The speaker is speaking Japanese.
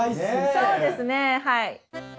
そうですねはい。